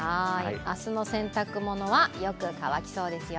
明日の洗濯物はよく乾きそうですよ。